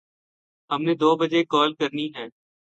ہم نے دو بجے کال کرنی ہے